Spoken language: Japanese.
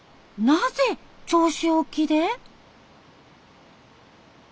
なぜ銚子沖で？